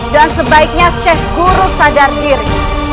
dan sebaiknya sheikh guru sadar diri